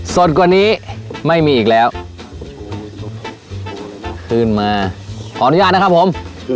สดกว่านี้ไม่มีอีกแล้วขึ้นมาขออนุญาตนะครับผม